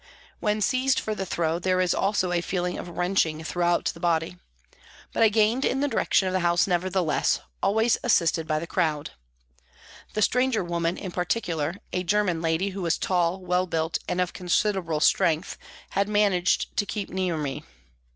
When seized for the throw there is also a feeling of wrenching throughout the body. But I gained in the direction of the House nevertheless, always assisted by the crowd. The stranger woman in particular, a German lady who was tall, well built, and of considerable strength, had managed to keep near me.